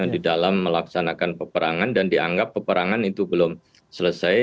di dalam melaksanakan peperangan dan dianggap peperangan itu belum selesai